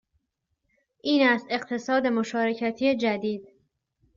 این است اقتصاد مشارکتی جدید